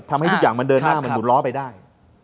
ทำให้ทุกอย่างมันเดินหน้าเหมือนหมุนล้อไปได้